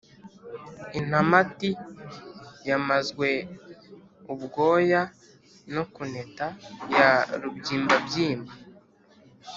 Intamati yamazwe ubwoya no kuneta ya rubyimbabyimba,